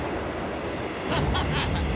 ハハハハッ！